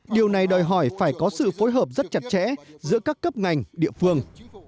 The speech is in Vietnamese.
điều này đòi hỏi phải có sự phối hợp rất chặt chẽ giữa các cấp ngành địa phương